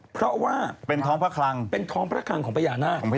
เพราะว่าเป็นท้องพระคลังของพญานาค